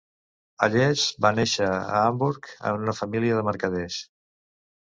Allers, va néixer a Hamburg en una família de mercaders.